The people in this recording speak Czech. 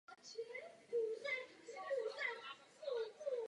Rumunský z rodu Hohenzollernů.